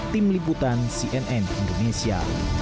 tim liputan cnn indonesia